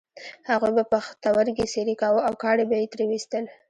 هغوی به پښتورګی څیرې کاوه او کاڼي به یې ترې ویستل.